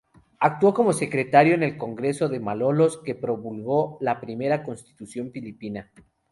Actuó como secretario en el Congreso de Malolos que promulgó la primera constitución filipina.